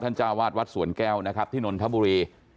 ท่านเจ้าวาดวัดสวนแก้วนะครับที่นนทะบุเร